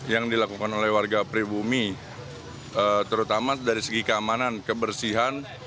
yang dilakukan oleh warga pribumi terutama dari segi keamanan kebersihan